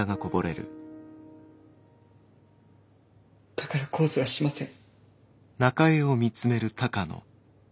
だから控訴はしません。